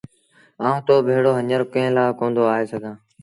آئوٚنٚ تو ڀيڙو هڃر ڪݩهݩ لآ ڪوندو آئي سگھآݩٚ؟